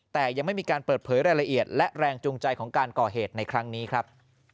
แต่ยังไม่มีการเปิดเผยรายละเอียดและแรงจูงใจของการก่อเหตุในครั้งนี้ครับ